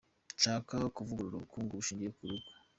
Nshaka kuvugurura ubukungu bushingiye ku rugo.